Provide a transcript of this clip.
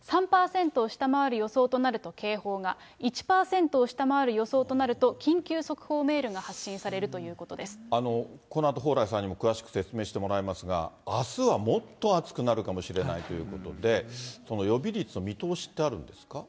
３％を下回る予想となると警報が、１％を下回る予想となると、緊急速報メールが発信されるというここのあと蓬莱さんにも詳しく説明してもらいますが、あすはもっと暑くなるかもしれないということで、予備率の見通しってあるんですか？